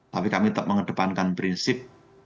tapi kami tetap mengedepankan prinsip